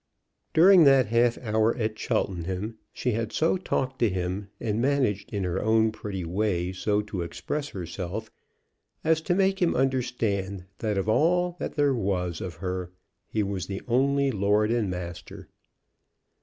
During that half hour at Cheltenham she had so talked to him, and managed in her own pretty way so to express herself, as to make him understand that of all that there was of her he was the only lord and master.